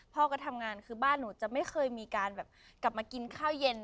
พ่อก็ทำงานคือบ้านหนูจะไม่เคยมีการแบบกลับมากินข้าวเย็น